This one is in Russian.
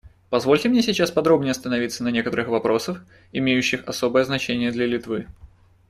Позвольте мне сейчас подробнее остановиться на некоторых вопросах, имеющих особое значение для Литвы.